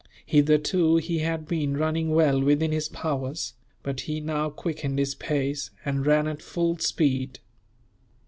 Hitherto he had been running well within his powers; but he now quickened his pace, and ran at full speed.